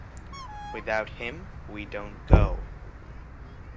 Without him we don't go.